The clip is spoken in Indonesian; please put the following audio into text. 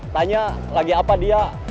tanya lagi apa dia